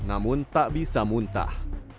namun tak bisa muntah